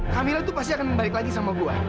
camilla tuh pasti akan balik lagi sama gue